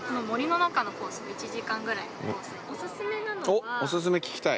◆おすすめ聞きたい。